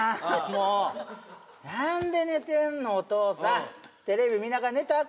もう何で寝てんのお父さんテレビ見ながら寝たらあ